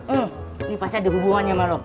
ini pasti ada hubungannya sama lo